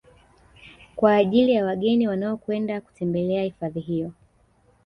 Kwa ajili ya wageni wanaokwenda kutembelea hifadhi hiyo